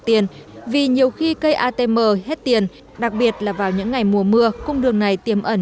tiền vì nhiều khi cây atm hết tiền đặc biệt là vào những ngày mùa mưa cung đường này tiềm ẩn